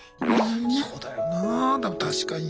そうだよなでも確かに。